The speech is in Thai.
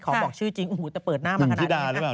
ขอบอกชื่อจริงแต่เปิดหน้ามาขนาดนี้ค่ะ